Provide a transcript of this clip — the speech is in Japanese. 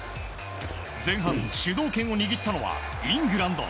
前半、主導権を握ったのはイングランド。